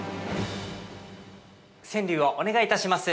◆川柳をお願いいたします。